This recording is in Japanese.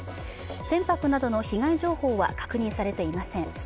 船舶などの被害情報は確認されていません。